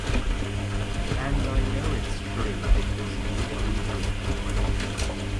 And I know it’s true because you proved it.